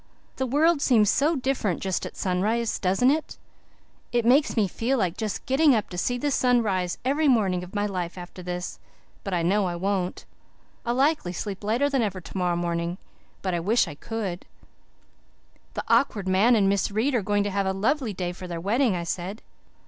"The world seems so different just at sunrise, doesn't it? It makes me feel just like getting up to see the sun rise every morning of my life after this. But I know I won't. I'll likely sleep later than ever tomorrow morning. But I wish I could." "The Awkward Man and Miss Reade are going to have a lovely day for their wedding," I said.